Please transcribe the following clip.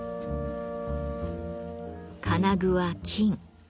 金具は金。